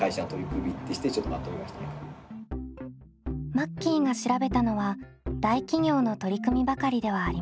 マッキーが調べたのは大企業の取り組みばかりではありません。